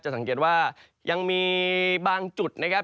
สังเกตว่ายังมีบางจุดนะครับ